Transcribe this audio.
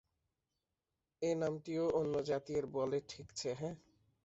এ নামটিও অন্যজাতীয়ের বলে ঠেকছে হে!